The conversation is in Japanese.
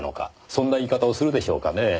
そんな言い方をするでしょうかねぇ？